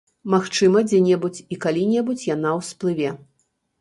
Магчыма, дзе-небудзь і калі-небудзь яна ўсплыве.